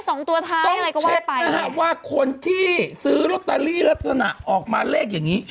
ต้องเช็ดนะครับว่าคนที่ซื้อลูตารีลักษณะออกมาเลขอย่างนี้